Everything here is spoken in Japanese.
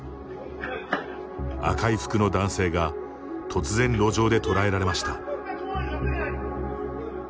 赤い服の男性が突然路上で捕らえられました。